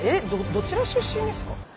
どちら出身ですか？